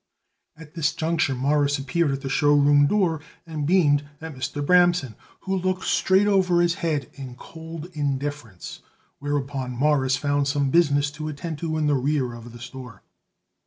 At this juncture Morris appeared at the show room door and beamed at Mr. Bramson, who looked straight over his head in cold indifference; whereupon Morris found some business to attend to in the rear of the store.